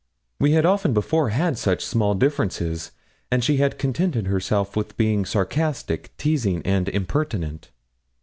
We had often before had such small differences, and she had contented herself with being sarcastic, teasing, and impertinent.